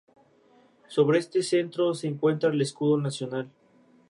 Sobre este centro se encuentra el escudo nacional.